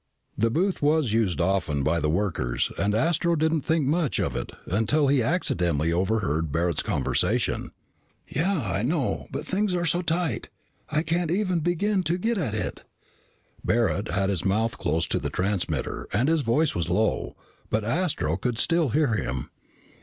The booth was used often by the workers and Astro did not think much of it, until he accidentally overheard Barret's conversation. "... Yeah, I know, but things are so tight, I can't even begin to get at it." Barret had his mouth close to the transmitter and his voice was low, but Astro could still hear him.